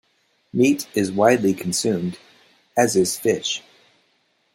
Meat is widely consumed, as is fish.